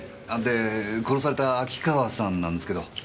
で殺された秋川さんなんですけど。